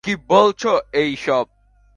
কি বলছো এইসব।